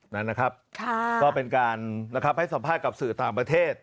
อ๋อนะครับก็เป็นการให้สัมภาษณ์กับสื่อต่างประเทศ